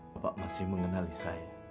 bapak masih mengenali saya